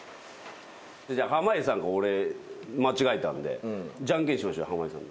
じゃあ濱家さんか俺間違えたんでじゃんけんしましょう濱家さん。